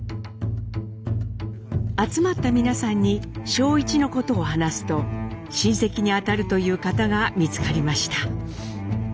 集まった皆さんに正一のことを話すと親戚に当たるという方が見つかりました。